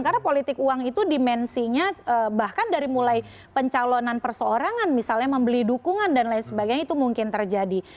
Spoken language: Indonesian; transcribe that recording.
karena politik uang itu dimensinya bahkan dari mulai pencalonan perseorangan misalnya membeli dukungan dan lain sebagainya itu mungkin terjadi